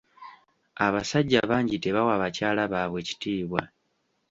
Abasajja bangi tebawa bakyala baabwe kitiibwa.